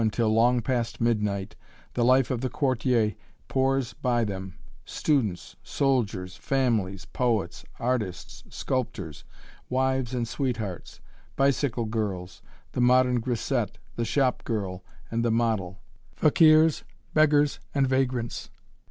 until long past midnight, the life of the Quartier pours by them students, soldiers, families, poets, artists, sculptors, wives, and sweethearts; bicycle girls, the modern grisette, the shop girl, and the model; fakirs, beggars, and vagrants.